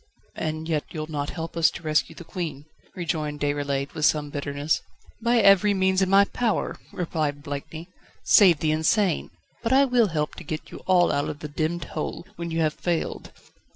"And yet you'll not help us to rescue the Queen?" rejoined Déroulède, with some bitterness. "By every means in my power," replied Blakeney, "save the insane. But I will help to get you all out of the demmed hole, when you have failed."